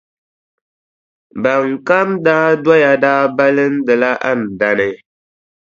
Ban kam daa doya daa balindila Andani.